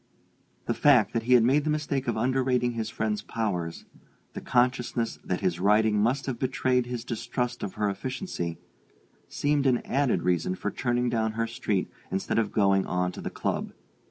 The fact that he had made the mistake of underrating his friend's powers, the consciousness that his writing must have betrayed his distrust of her efficiency, seemed an added reason for turning down her street instead of going on to the club.